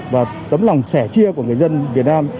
và tấm lòng sẻ chia của người dân việt nam